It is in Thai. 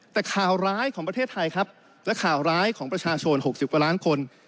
แต่ข่าวร้ายของประเทศไทยครับและข่าวร้ายของประชาชน๖๐กว่าล้านคน